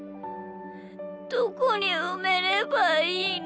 どこにうめればいいの？